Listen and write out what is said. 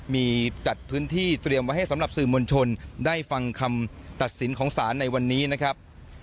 มีจัดพื้นที่เตรียมไว้ให้สำหรับสื่อมวลชนได้ฟังคำตัดสินของศาลในวันนี้นะครับ